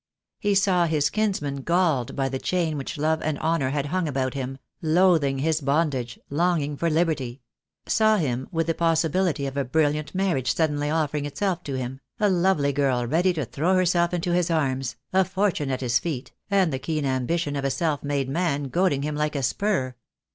He saw his kinsman galled by the chain which love and honour had hung about him, loathing his bondage, longing for liberty — saw him with the possibility of a brilliant marriage suddenly offering itself to him, a lovely girl ready to throw herself into his arms, a fortune at his feet, and the keen ambition of a self made man goading him like a spur.